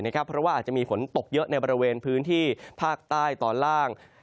เพราะว่าอาจจะมีฝนตกเยอะในบริเวณพื้นที่ภาคใต้ตอนล่าง